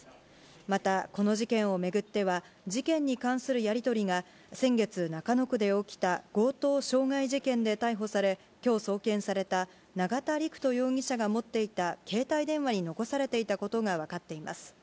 また、この事件を巡っては、事件に関するやり取りが、先月、中野区で起きた強盗傷害事件で逮捕され、きょう送検された永田陸人容疑者が持っていた携帯電話に残されていたことが分かっています。